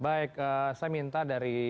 baik saya minta dari